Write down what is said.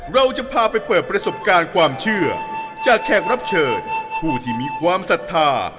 เราจะพาไปเปิดประสบการณ์ความเชื่อจากแขกรับเชิญผู้ที่มีความศรัทธา